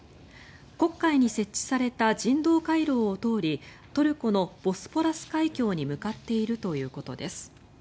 黒海に設置された人道回廊を通りトルコのボスポラス海峡に向かっているということです。